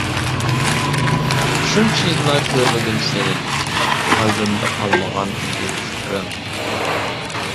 شۇنچە يىللار كۆرمىدىم سىنى، قەلبىمدە قالمىغان ئىدى ئىزلىرىڭ.